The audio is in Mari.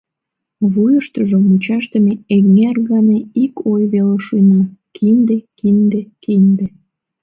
Вуйыштыжо мучашдыме эҥер гане ик ой веле шуйна: кинде, кинде, кинде.